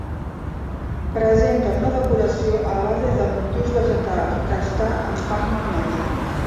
Presenta una decoració a base de motius vegetals que està, en part, malmesa.